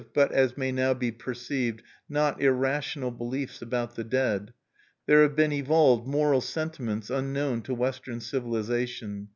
III Out of these primitive, but as may now be perceived not irrational beliefs about the dead, there have been evolved moral sentiments unknown to Western civilization.